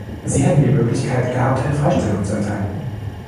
Sie hätten die Möglichkeit gehabt, eine Freistellung zu erteilen.